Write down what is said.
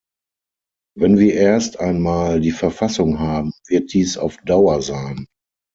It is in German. Wenn wir erst einmal die Verfassung haben, wird dies auf Dauer sein.